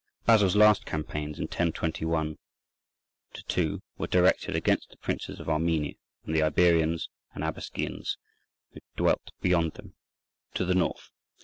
Basil's last campaigns, in 1021 2, were directed against the princes of Armenia, and the Iberians and Abasgians who dwelt beyond them to the north.